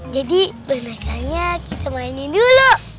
jadi bonekanya kita mainin dulu